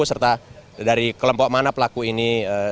serta dari kelompok mana pelaku ini